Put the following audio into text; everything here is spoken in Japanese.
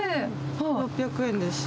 ６００円でした。